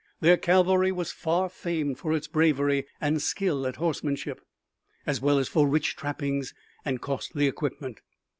Their cavalry was far famed for its bravery and skill at horsemanship, as well as for rich trappings and costly equipment.